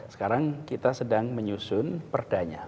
sekarang kita sedang menyusun perdanya